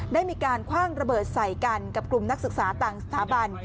ได้มีการคว่างระเบิดใส่กันกับกลุ่มนักศึกษาต่างสถาบัน